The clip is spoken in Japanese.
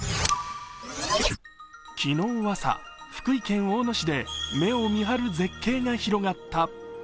昨日朝、福井県大野市で目を見張る絶景が広がった。